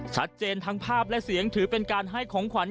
ชัดเจนทั้งภาพและเสียงถือเป็นการให้ของขวัญ